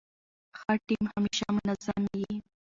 ښه ټیم همېشه منظم يي.